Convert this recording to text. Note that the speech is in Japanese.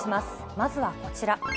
まずはこちら。